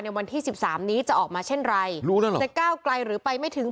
วันที่สิบสามนี้จะออกมาเช่นไรรู้แล้วเหรอจะก้าวไกลหรือไปไม่ถึง